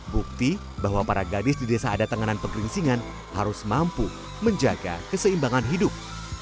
bukti bahwa para gadis di desa ada tenganan pegeringsingan harus mampu menjaga keseimbangan hidup